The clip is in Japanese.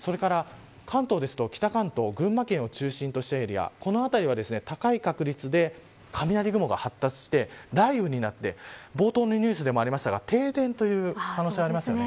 関東ですと北関東、群馬県を中心としたエリアこの辺りは高い確率で雷雲が発達して雷雨になって冒頭のニュースでもありましたが停電という可能性があります。